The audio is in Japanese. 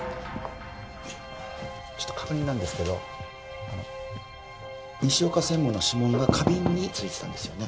ちょっと確認なんですけど西岡専務の指紋が花瓶についてたんですよね？